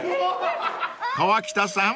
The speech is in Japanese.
［河北さん